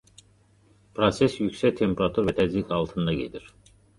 Proses yüksək temperatur və təzyiq altında gedir.